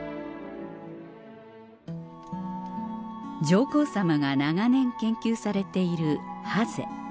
上皇さまが長年研究されているハゼ